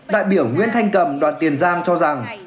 đại biểu nguyễn thanh cầm đoàn tiền giang cho rằng